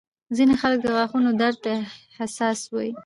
ځینې خلک د غاښونو درد ته حساس وي.